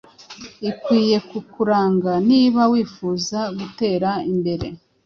ikwiye kukuranga niba wifuza gutera imbere